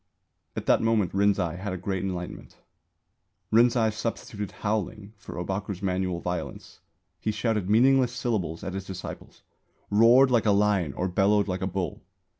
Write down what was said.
At that moment Rinzai had a Great Enlightenment. Rinzai substituted howling for Ōbaku's manual violence. He shouted meaningless syllables at his disciples; roared like a lion or bellowed like a bull.